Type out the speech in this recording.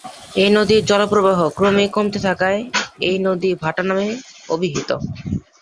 এই নদীর জলপ্রবাহ ক্রমেই কমতে থাকায় এই নদী ভাটা নামে অভিহিত।